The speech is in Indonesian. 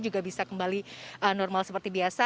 juga bisa kembali normal seperti biasa